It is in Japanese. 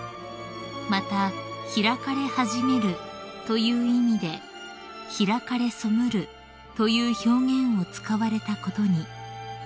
［また「開かれ始める」という意味で「開かれそむる」という表現を使われたことに］